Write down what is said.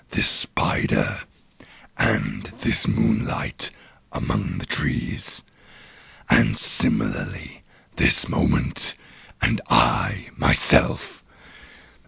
I this spider and this moonlight among the trees, and similarly this moment, and I myself.